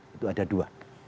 itu ada dua